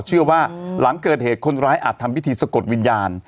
เชื่อว่าหลังเกิดเหตุคนร้ายอาจทำพิธีสะกดวิญญาณ